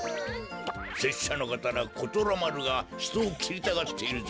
せっしゃのかたなことらまるがひとをきりたがっているぜ。